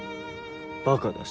バカだし。